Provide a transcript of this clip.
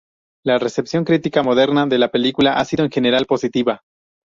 La recepción crítica moderna de la película ha sido en general positiva.